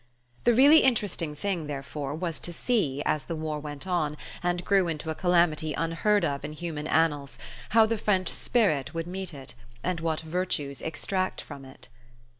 The really interesting thing, therefore, was to see, as the war went on, and grew into a calamity unheard of in human annals, how the French spirit would meet it, and what virtues extract from it.